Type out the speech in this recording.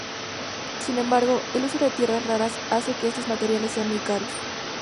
Sin embargo, el uso de tierras raras hace que estos materiales sean muy caros.